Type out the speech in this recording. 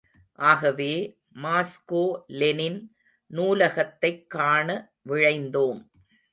ஆகவே, Moscow Lenin நூலகத்தைக் காண விழைந்தோம்.